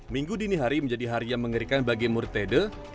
minggu dini hari menjadi hari yang mengerikan bagi murtede